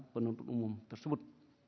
penuntut umum tersebut